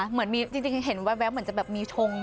เหมือนมีจริงแบบไม้กันแต่มันจะมีชง